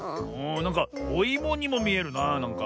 なんかおいもにもみえるななんか。